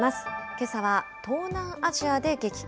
けさは東南アジアで激化。